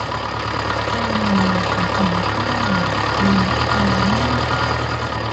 Olowooza omusawo oyo ye ani?